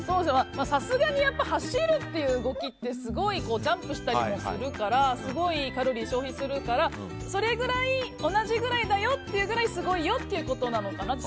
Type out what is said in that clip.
さすがに走るっていう動きってすごいジャンプしたりもするからすごいカロリーを消費するから同じぐらいだよというぐらいすごいよってことなのかなと。